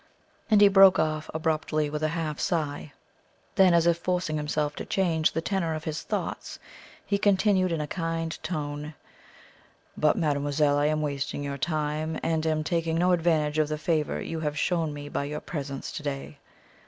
and he broke off abruptly with a half sigh. Then, as if forcing himself to change the tenor of his thoughts, he continued in a kind tone: "But, mademoiselle, I am wasting your time, and am taking no advantage of the favour you have shown me by your presence to day.